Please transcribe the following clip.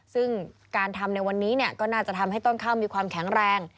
ซึ่งการทำในวันนี้ก็น่าจะทำให้ต้นข้าวมีความแข็งแรง